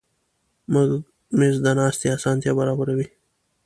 مېز د ناستې اسانتیا برابروي.